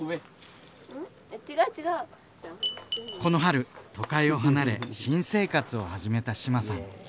この春都会を離れ新生活を始めた志麻さん。